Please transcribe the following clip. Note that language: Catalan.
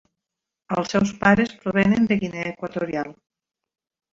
Els seus pares provenen de Guinea Equatorial.